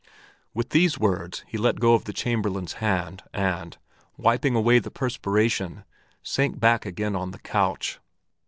With these words he let go of the Chamberlain's hand and, wiping away the perspiration, sank back again on the couch.